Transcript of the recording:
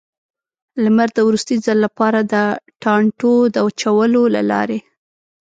لمر د وروستي ځل لپاره، د ټانټو د چولو له لارې.